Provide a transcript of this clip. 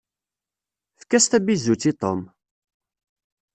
Efk-as tabizut i Tom!